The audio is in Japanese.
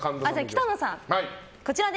北乃さん。